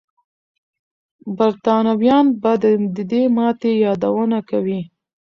برتانويان به د دې ماتې یادونه کوي.